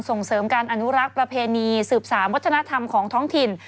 ส่งเสริมการอนุรักษ์ประเพณีสืบสารวัฒนธรรมของท้องถิ่น